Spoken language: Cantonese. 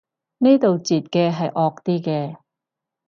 呢度截嘅係惡啲嘅